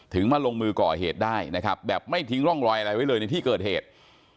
มาลงมือก่อเหตุได้นะครับแบบไม่ทิ้งร่องรอยอะไรไว้เลยในที่เกิดเหตุ